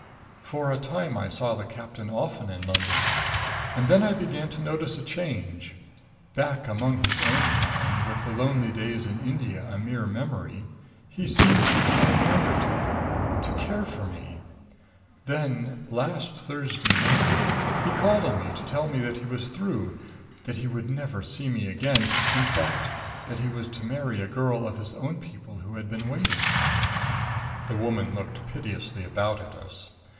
"For a time I saw the captain often in London; and then I began to notice a change. Back among his own kind, with the lonely days in India a mere memory he seemed no longer to to care for me. Then last Thursday morning he called on me to tell me that he was through; that he would never see me again in fact, that he was to marry a girl of his own people who had been waiting " The woman looked piteously about at us.